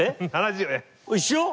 一緒。